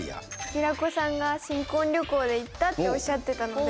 平子さんが新婚旅行で行ったっておっしゃってたので。